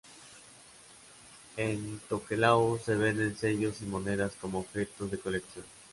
En Tokelau se venden sellos y monedas como objetos de colección.